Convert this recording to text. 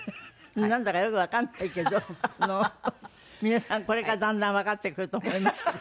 なんだかよくわからないけど皆さんこれからだんだんわかってくると思います。